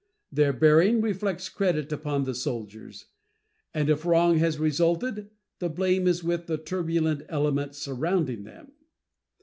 Their bearing reflects credit upon the soldiers, and if wrong has resulted the blame is with the turbulent element surrounding them.